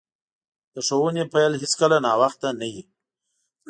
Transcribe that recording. د ښوونې پیل هیڅکله ناوخته نه وي.